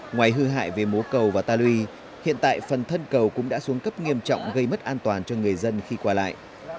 ngoài hư hại về mố cầu và ta lui hiện tại phần thân cầu cũng đã xuống cấp nghiêm trọng gây mất an toàn cho người dân khi qua lại